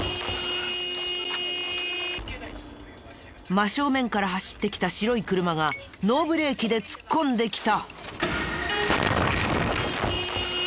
真正面から走ってきた白い車がノーブレーキで突っ込んできた。